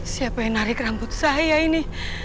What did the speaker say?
siapa yang narik rambut saya ini